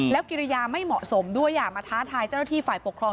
กิริยาไม่เหมาะสมด้วยอย่ามาท้าทายเจ้าหน้าที่ฝ่ายปกครอง